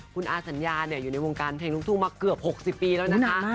คุณอาสัญญาอยู่ในวงการเพลงลูกทุ่งมาเกือบ๖๐ปีแล้วนะคะ